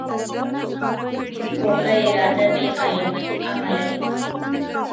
کوږه اراده بې عمله وي